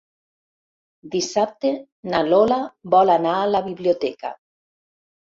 Dissabte na Lola vol anar a la biblioteca.